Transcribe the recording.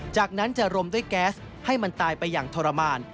จากนั้นจะรมด้วยแก๊สให้มันตายไปอย่างทรมาน